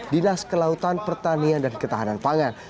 dinas kelautan pertanian dan ketahanan pangan